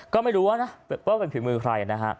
ก็ไม่รู้ว่าเป็นผิดมือใคร